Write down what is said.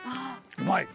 うまい。